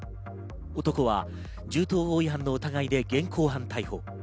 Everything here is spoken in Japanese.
男は銃刀法違反の疑いで現行犯逮捕。